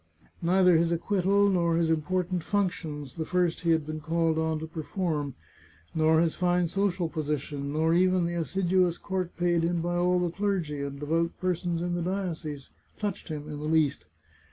Neither his acquittal, nor his important functions, the first he had been called on to perform, nor his fine social position, nor even the assiduous court paid him by all the clergy and devout persons in the diocese, touched him in the least.